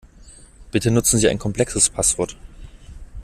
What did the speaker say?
Bitte nutzen Sie ein komplexes Passwort.